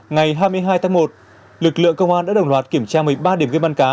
ngày hai mươi hai tháng một lực lượng công an đã đồng loạt kiểm tra một mươi ba điểm gam cá